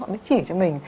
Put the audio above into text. họ mới chỉ cho mình